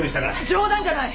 冗談じゃない。